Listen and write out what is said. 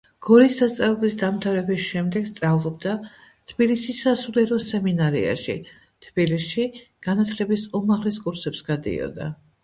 გორის სასწავლებლის დამთავრების შემდეგ სწავლობდა თბილისის სასულიერო სემინარიაში, თბილისში განათლების უმაღლეს კურსებს გადიოდა.